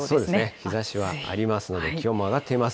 日ざしはありますので、気温も上がっています。